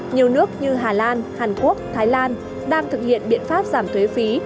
nhiều nước như hà lan hàn quốc thái lan đang thực hiện biện pháp giảm thuế phí